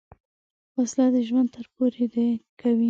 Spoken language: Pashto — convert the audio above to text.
وسله د ژوند تار پرې کوي